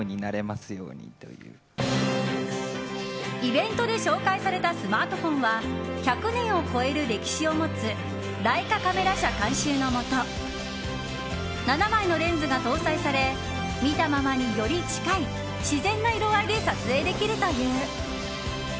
イベントで紹介されたスマートフォンは１００年を超える歴史を持つライカカメラ社監修のもと７枚のレンズが搭載され見たままに、より近い自然な色合いで撮影できるという。